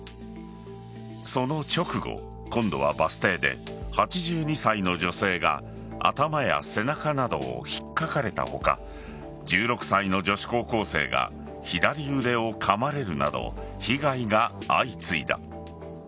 その直後、今度はバス停で８２歳の女性が頭や背中などを引っかかれた他１６歳の女子高校生が左腕をかまれるなど被害が相次いだ。